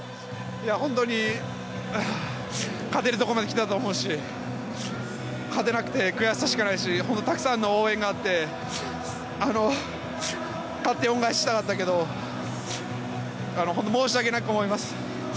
本当に勝てるとこまで来たと思うし、勝てなくて、悔しさしかないし、たくさんの応援があって、勝って恩返ししたかったけれども、申し訳なく思います。